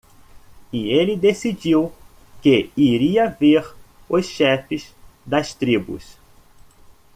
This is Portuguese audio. E ele decidiu que iria ver os chefes das tribos.